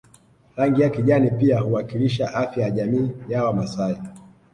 Rangi ya kijani pia huwakilisha afya ya jamii ya Wamasai